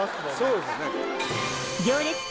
そうですよね